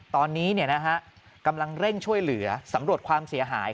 ตอนนี้กำลังเร่งช่วยเหลือสำรวจความเสียหาย